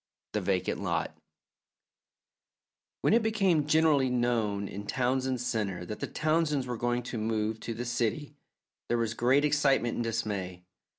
THE VACANT LOT When it became generally known in Townsend Centre that the Townsends were going to move to the city, there was great excitement and dismay.